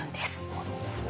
なるほどね。